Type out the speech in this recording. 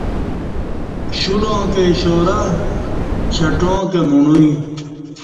کشولاں کہ اشارہ چٹاں کہ مݨوی